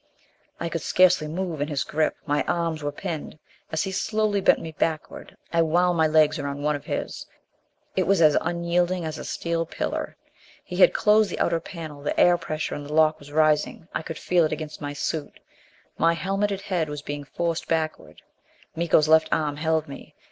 I could scarcely move in his grip. My arms were pinned. As he slowly bent me backward, I wound my legs around one of his: it was as unyielding as a steel pillar. He had closed the outer panel; the air pressure in the lock was rising. I could feel it against my suit. My helmeted head was being forced backward; Miko's left arm held me.